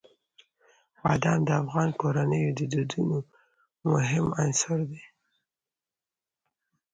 بادام د افغان کورنیو د دودونو مهم عنصر دی.